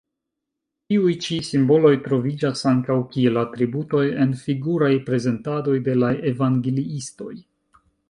Tiuj ĉi simboloj troviĝas ankaŭ kiel atributoj en figuraj prezentadoj de la evangeliistoj.